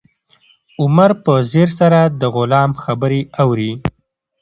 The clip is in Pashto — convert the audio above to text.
عمر په ځیر سره د غلام خبرې اوري.